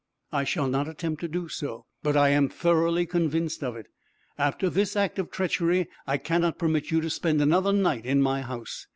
"I shall not attempt to do so; but I am thoroughly convinced of it. After this act of treachery, I cannot permit you to spend another night in my house.